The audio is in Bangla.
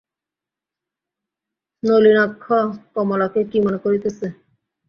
নলিনাক্ষ কমলাকে কী মনে করিতেছে?